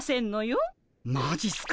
マジっすか？